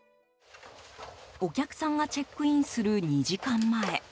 お客さんがチェックインする２時間前。